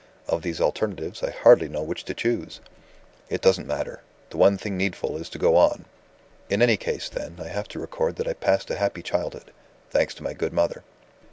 Of these alternatives, I hardly know which to choose. It doesn't matter; the one thing needful is to go on. "In any case, then, I have to record that I passed a happy childhood thanks to my good mother.